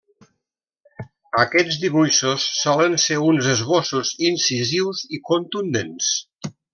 Aquests dibuixos solen ser uns esbossos incisius i contundents.